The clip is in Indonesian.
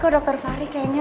kalau saya kemana